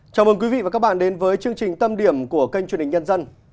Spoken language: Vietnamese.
chào mừng quý vị và các bạn đến với chương trình tâm điểm của kênh truyền hình nhân dân